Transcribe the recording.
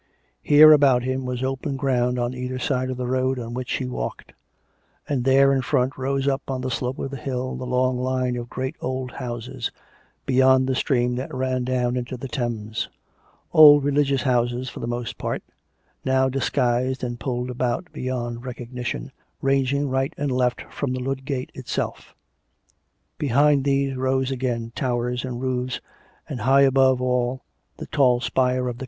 Here, about him, was open ground on either side of the road on which he walked; and there, in front, rose up on the slope of the hill the long line of great old houses, beyond the stream that ran down into the Thames — old Religious Houses for the most part, now dis guised and pulled about beyond recognition, ranging right and left from the Ludgate itself: behind these rose again towers and roofs, and high above all the tall spire of the 280 COME RACK! COME ROPE!